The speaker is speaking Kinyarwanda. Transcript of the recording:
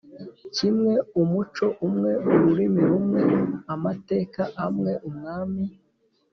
kimwe umuco umwe ururimi rumwe amateka amwe umwami